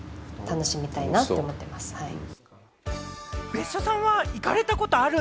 別所さんは行かれたことある